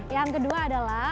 yang kedua adalah